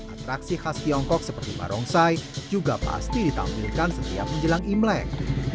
atraksi khas tiongkok seperti barongsai juga pasti ditampilkan setiap menjelang imlek